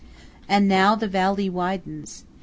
And now the valley widens.